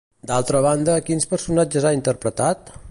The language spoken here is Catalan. D'altra banda, quins personatges ha interpretat?